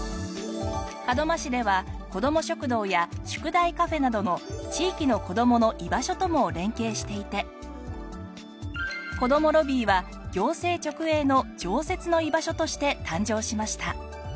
門真市では子ども食堂や宿題カフェなどの地域の子どもの居場所とも連携していて子どもＬＯＢＢＹは行政直営の常設の居場所として誕生しました。